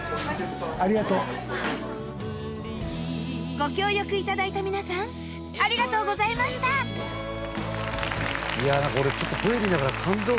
ご協力いただいた皆さんありがとうございましたなんか俺ちょっと Ｖ 見ながら感動しちゃったもん。